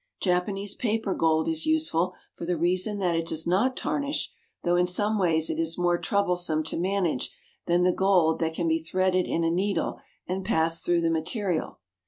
Japanese paper gold is useful, for the reason that it does not tarnish, though in some ways it is more troublesome to manage than the gold that can be threaded in a needle and passed through the material.